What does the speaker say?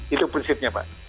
itu prinsipnya pak